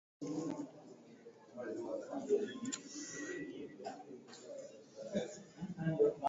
imeahirishwa hadi alhamisi ijayo kutokana na moja wa mashahidi kushindwa kufika mahakamani